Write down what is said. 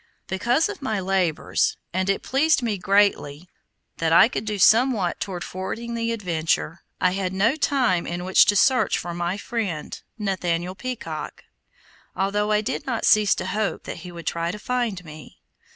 Because of my labors, and it pleased me greatly that I could do somewhat toward forwarding the adventure, I had no time in which to search for my friend, Nathaniel Peacock, although I did not cease to hope that he would try to find me.